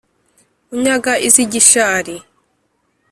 Unyaga iz'i Gishari,